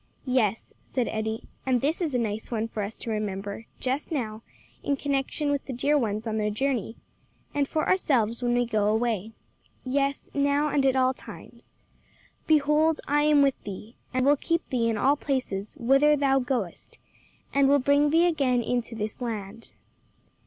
"Yes," said Eddie, "and this is a nice one for us to remember just now in connection with the dear ones on their journey, and for ourselves when we go away. Yes, now, and at all times. 'Behold I am with thee, and will keep thee in all places whither thou goest, and will bring thee again into this land.'"